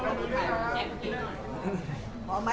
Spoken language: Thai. สวัสดีค่ะ